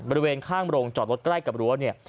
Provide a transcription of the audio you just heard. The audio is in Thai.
บริเวณข้างโรงจอดรถใกล้กับรั้วเนี่ย